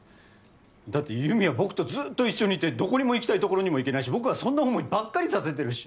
だって優美は僕とずっと一緒にいてどこにも行きたい所にも行けないし僕はそんな思いばっかりさせてるし。